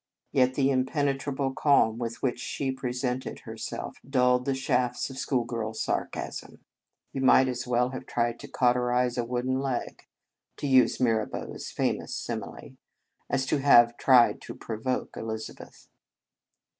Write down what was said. Yet the impenetrable calm with which she presented herself dulled the shafts of schoolgirl sarcasm. You might as well have tried to cauterize a wooden leg to use Mirabeau s famous simile as to have tried to provoke Eliza beth.